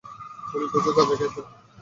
উনি প্রচুর গাঁজা খেতেন।